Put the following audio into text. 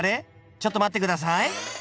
ちょっと待って下さい。